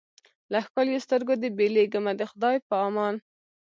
له ښکلیو سترګو دي بېلېږمه د خدای په امان